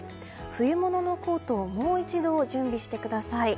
冬物のコートをもう一度準備してください。